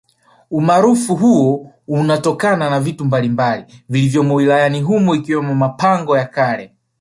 Umarufu huo unatokana na vitu mbalimbali vilivyomo wilayani humo ikiwemo mapango ya kale